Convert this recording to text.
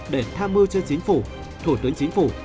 để tham mưu cho chính phủ thủ tướng chính phủ